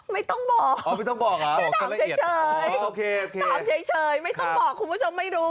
ไม่ต้องบอกถามเฉยไม่ต้องบอกคุณผู้ชมไม่รู้